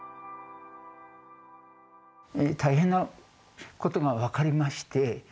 大変なことが分かりまして。